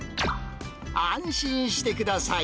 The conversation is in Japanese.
安心してください。